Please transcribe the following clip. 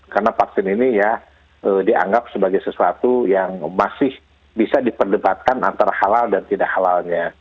karena vaksin ini ya dianggap sebagai sesuatu yang masih bisa diperdebatkan antara halal dan tidak halalnya